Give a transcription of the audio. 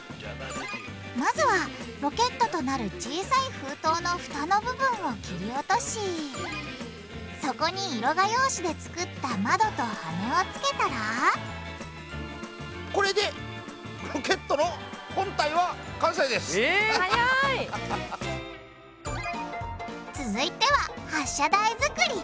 まずはロケットとなる小さい封筒のフタの部分を切り落としそこに色画用紙で作った窓とハネをつけたら続いては発射台作り。